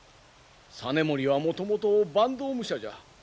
実盛はもともと坂東武者じゃ。